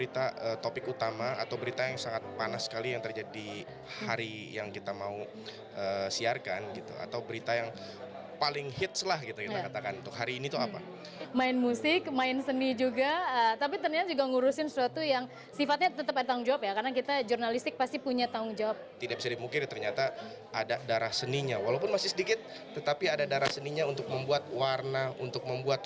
tapi dalam prosesnya tidak sedikit juga terjadi hal hal yang jenaka